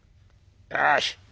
よし。